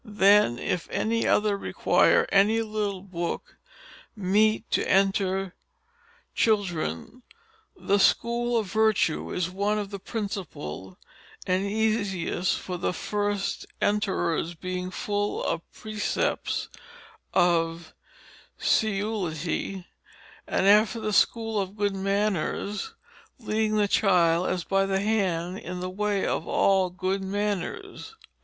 "Then if any other require any little booke meet to enter Children, the Schoole of Virtue is one of the Principall, and easiest for the first enterers being full of precepts of ciuilitie.... And after the Schoole of Good Manners, leading the child as by the hand, in the way of all good manners."